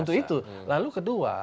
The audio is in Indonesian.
untuk itu lalu kedua